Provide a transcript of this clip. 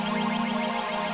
mbak dewi sabar dulu ya